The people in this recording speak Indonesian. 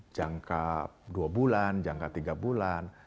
jangka dua bulan jangka tiga bulan